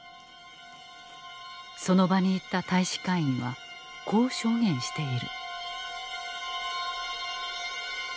その場にいた大使館員はこう証言している。